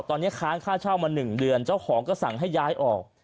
ตอนนี้ค้างค่าเช่ามา๑เดือนเจ้าของก็สั่งให้ย้ายออก